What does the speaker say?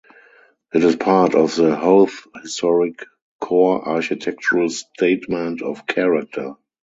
It is part of the Howth Historic Core Architectural Statement of Character.